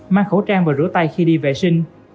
mang khẩu trang và rửa tay khi đi vệ sinh